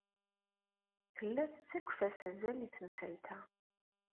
Tella tettakf-as azal i temsalt-a.